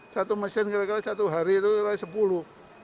satu mesin kira kira satu hari itu rai sepuluh